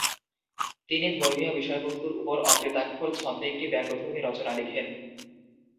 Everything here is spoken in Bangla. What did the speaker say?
তিনি ধর্মীয় বিষয়বস্তুর উপর অমিত্রাক্ষর ছন্দে একটি ব্যঙ্গধর্মী রচনা লিখেন।